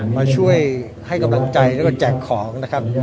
มาช่วยให้กำลังใจแล้วก็แจกของนะครับ